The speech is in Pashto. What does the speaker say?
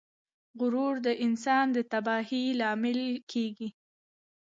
غرور د انسان د تباهۍ لامل کیږي.